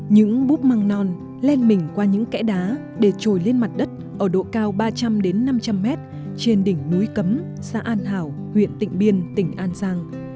những búp măng non len mình qua những kẽ đá để trồi lên mặt đất ở độ cao ba trăm linh năm trăm linh mét trên đỉnh núi cấm xã an hảo huyện tịnh biên tỉnh an giang